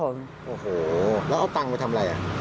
โอ้โหแล้วเอาตังค์ไปทำอะไร